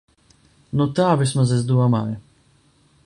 Nu tā vismaz es domāju.